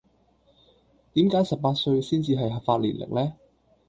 點解十八歲先至係合法年齡呢?